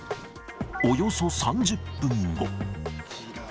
およそ３０分後。